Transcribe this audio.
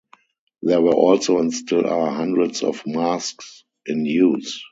There were and still are hundreds of masks in use.